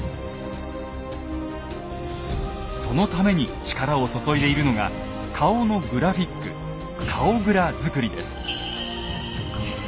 そのために力を注いでいるのが顔のグラフィック「顔グラ」作りです。